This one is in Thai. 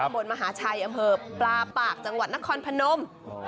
บนมหาชัยอำเภอปลาปากจังหวัดนครพนม